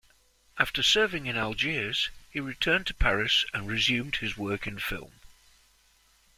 After serving in Algiers, he returned to Paris and resumed his work in film.